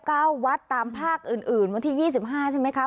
วัดตามภาคอื่นอื่นวันที่ยี่สิบห้าใช่ไหมคะ